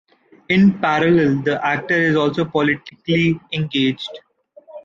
In parallel, the actor is also politically engaged.